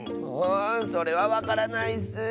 んそれはわからないッス。